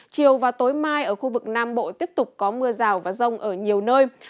chiều và tối mai ở khu vực nam bộ tiếp tục có mưa rào và rông ở nhiều nơi